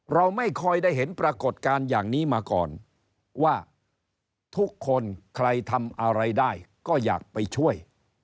เราไม่ค่อยได้เห็นปรากฏการณ์อย่างนี้มาก่อนว่าทุกคนใครทำอะไรได้ก็อยากไปช่วย